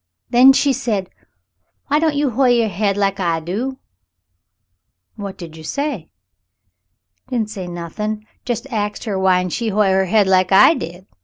Then she said, 'Whyn't you hoi' your hade like I do ?'" "What did you say ?" "Didn't say nothin.' Jes' axed her whyn't she hoi' her head like I did .